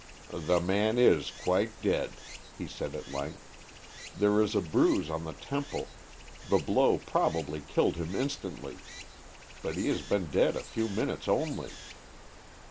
"The man is quite dead," he said, at length. "There's a bruise on the temple, the blow probably killed him instantly. But he has been dead a few minutes only."